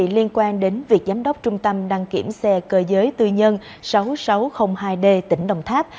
liên quan đến việc giám đốc trung tâm đăng kiểm xe cơ giới tư nhân sáu nghìn sáu trăm linh hai d tỉnh đồng tháp